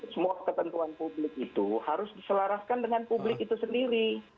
semua ketentuan publik itu harus diselaraskan dengan publik itu sendiri